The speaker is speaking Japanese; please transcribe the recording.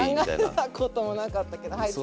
考えたこともなかったけどはい。